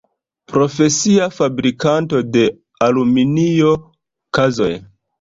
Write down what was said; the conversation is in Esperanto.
Profesia fabrikanto de aluminio kazoj.